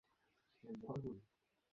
এবং আমার আপনার টাইপের।